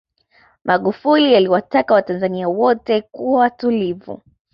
magufuli aliwataka watanzania wote kuwa watulivu